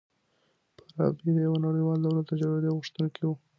فارابي د يوه نړيوال دولت د جوړېدو غوښتونکی و.